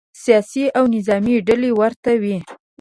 سیاسي او نظامې ډلې ورته وي.